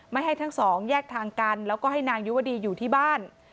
ให้ทั้งสองแยกทางกันแล้วก็ให้นางยุวดีอยู่ที่บ้าน